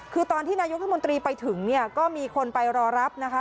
คือตอนที่นายกรัฐมนตรีไปถึงเนี่ยก็มีคนไปรอรับนะคะ